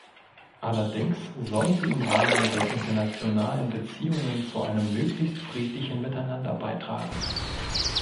Allerdings soll sie im Rahmen der internationalen Beziehungen zu einem möglichst friedlichen Miteinander beitragen.